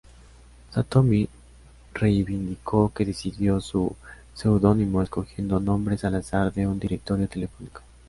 Satomi reivindicó que decidió su seudónimo escogiendo nombres al azar de un directorio telefónico.